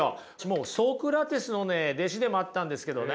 ソクラテスのね弟子でもあったんですけどね。